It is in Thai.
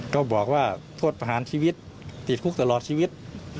ก็บอกว่าโทษประหารชีวิตติดคุกตลอดชีวิต